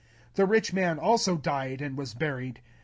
The rich man also died and was buried.